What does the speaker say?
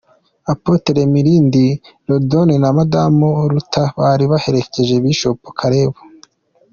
Apotre Mirindi Randou na Madamu Rutha bari baherekeje Bishop Karebu.